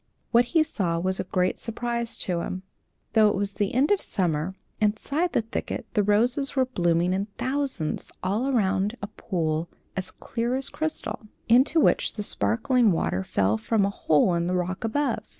What he saw was a great surprise to him. Though it was the end of summer, inside the thicket the roses were blooming in thousands all around a pool as clear as crystal, into which the sparkling water fell from a hole in the rock above.